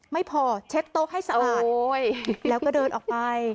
ไม่พอเช็ดโต๊ะให้สะอาดแล้วก็เดินออกไป